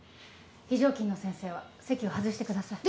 非常勤の先生は席を外してください。